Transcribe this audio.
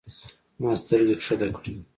ما سترګې کښته کړې.